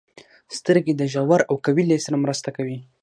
• سترګې د ژور او قوي لید سره مرسته کوي.